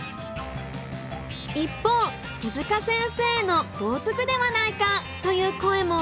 一方手塚先生への冒とくではないかという声も。